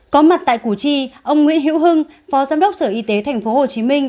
có mặt tại củ chi ông nguyễn hữu hưng phó giám đốc sở y tế tp hcm